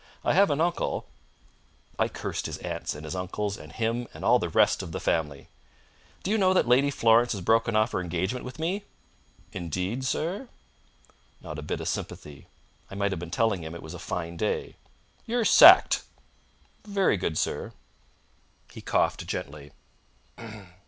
I have an uncle " I cursed his aunts and his uncles and him and all the rest of the family. "Do you know that Lady Florence has broken off her engagement with me?" "Indeed, sir?" Not a bit of sympathy! I might have been telling him it was a fine day. "You're sacked!" "Very good, sir." He coughed gently.